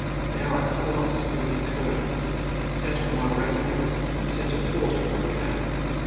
There I called up the sleepy clerk, settled my reckoning, and sent a porter for a cab.